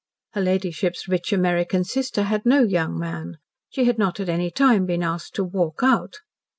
Her ladyship's rich American sister had no "young man"; she had not at any time been asked to "walk out."